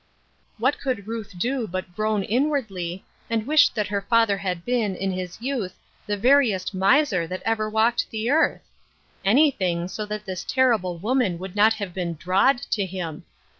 '' What could Ruth do but groan inwardly, and wish that her father had been, in his youth, the veriest miser that ever walked the earth ! Any thing, so that this terrible woman would not have been "drawed" to him.